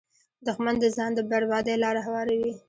دښمن د ځان د بربادۍ لاره هواروي